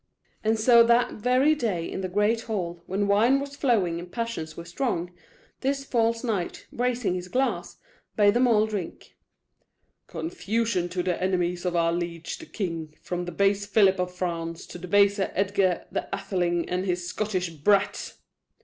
And so that very day, in the great hall, when wine was flowing and passions were strong, this false knight, raising his glass, bade them all drink: "Confusion to the enemies of our liege the king, from the base Philip of France to the baser Edgar the Atheling and his Scottish brats!"